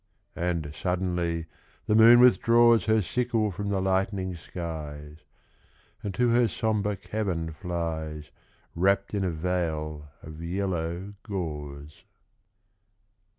And suddenly the moon withdraws Her sickle from the lightening skies, And to her sombre cavern flies, Wrapped in a veil of yellow gauze.